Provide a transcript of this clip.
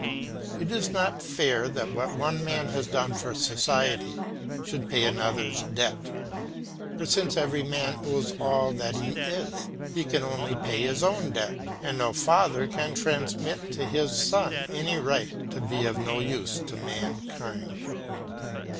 It is not fair that what one man has done for society should pay another's debt, for since every man owes all that he is, he can only pay his own debt, and no father can transmit to his son any right to be of no use to mankind.